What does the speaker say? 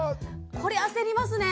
これ焦りますね！